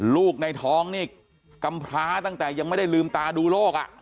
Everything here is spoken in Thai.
ลูกในท้องนี่กำพร้าตั้งแต่ยังไม่ได้ลืมตาดูโรค